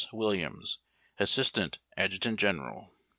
WILLIAMS, jlasistaiit Adjutant General.